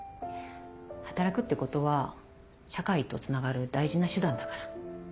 働くってことは社会とつながる大事な手段だから。